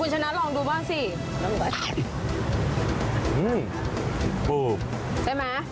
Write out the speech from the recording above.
ใช่มั้ย